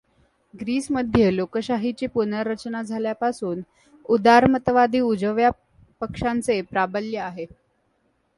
ग्रीसमध्ये लोकशाहीची पुनरर्चना झाल्यापासून उदारमतवादी उजव्या पक्षांचे प्राबल्य आहे.